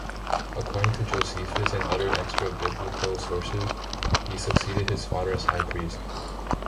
According to Josephus and other extrabiblical sources, he succeeded his father as High Priest.